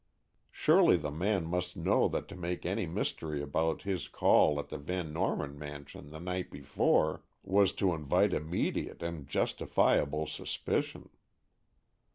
Surely the man must know that to make any mystery about his call at the Van Norman mansion the night before, was to invite immediate and justifiable suspicion.